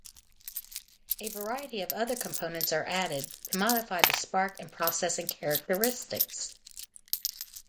A variety of other components are added to modify the spark and processing characteristics.